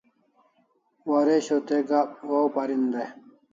Waresho te gak waw parin dai